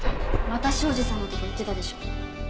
また庄司さんのとこ行ってたでしょ。